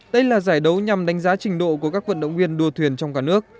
đây là giải đấu nhằm đánh giá trình độ của các vận động viên đua thuyền trong cả nước